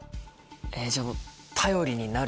じゃあ「頼りになる」。